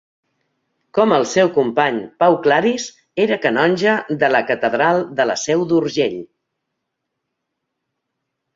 Com el seu company Pau Claris, era canonge de la catedral de la Seu d'Urgell.